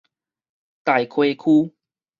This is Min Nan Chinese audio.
大溪區